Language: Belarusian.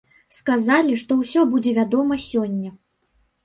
Сказалі, што ўсё будзе вядома сёння.